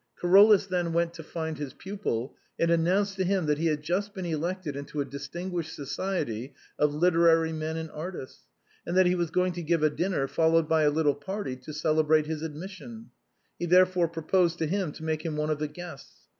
Carolus then went to find his pupil, and announced to him that he had just been elected into a distinguished society of literary men and artists, and that he was going to give a dinner, followed by a little party, to celebrate his admission; he therefore proposed to him to make one of the guests.